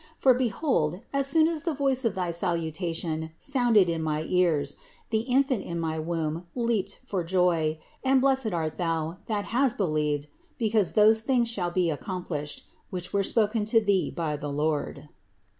For behold as soon as the voice of thy salutation sounded in my ears, the infant in my womb leaped for joy, and blessed art Thou, that has believed, because those things shall be accomplished, that were spoken to Thee by the Lord."